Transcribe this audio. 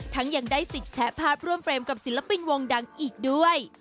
ยังได้สิทธิ์แชะภาพร่วมเฟรมกับศิลปินวงดังอีกด้วย